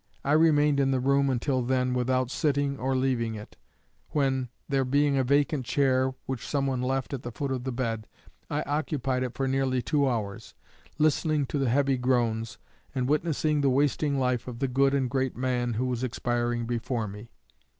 I remained in the room until then without sitting or leaving it, when, there being a vacant chair which some one left at the foot of the bed, I occupied it for nearly two hours, listening to the heavy groans, and witnessing the wasting life of the good and great man who was expiring before me....